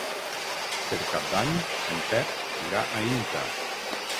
Per Cap d'Any en Pep irà a Inca.